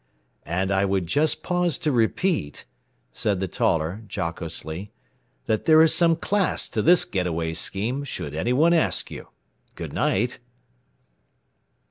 "And I would just pause to repeat," said the taller, jocosely, "that there is some class to this getaway scheme, should any one ask you. Good night."